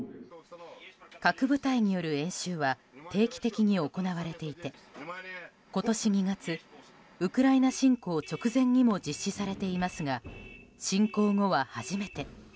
核部隊による演習は定期的に行われていて今年２月ウクライナ侵攻直前にも実施されていますが侵攻後は初めて。